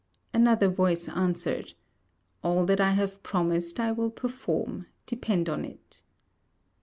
Another voice answered, 'All that I have promised I will perform, depend on it.'